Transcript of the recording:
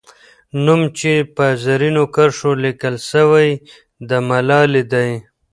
نوم چې په زرینو کرښو لیکل سوی، د ملالۍ دی.